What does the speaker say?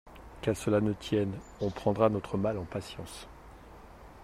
Qu’à cela ne tienne, on prendra notre mal en patience.